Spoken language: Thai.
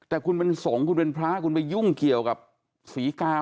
แต่คุณเป็นสงฆ์คุณเป็นพระคุณไปยุ่งเกี่ยวกับศรีกา